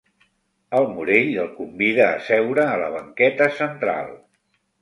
El Morell el convida a seure a la banqueta central.